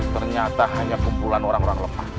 ternyata hanya kumpulan orang orang lemah